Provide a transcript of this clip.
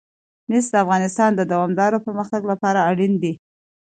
مس د افغانستان د دوامداره پرمختګ لپاره اړین دي.